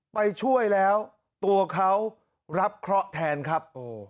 ไปช่วยแล้วตัวเขารับเคราะห์แทนครับ